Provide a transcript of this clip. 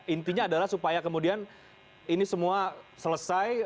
intinya adalah supaya kemudian ini semua selesai